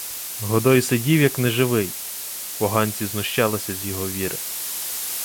Годой сидів як неживий — поганці знущалися з його віри.